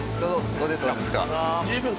どうですか？